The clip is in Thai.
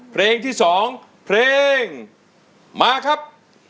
เพลงที่๒เพลงมาครับ